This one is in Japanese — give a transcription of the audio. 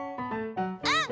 うん！